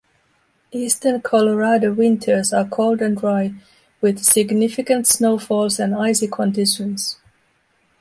Eastern Colorado winters are cold and dry, with significant snowfalls and icy conditions.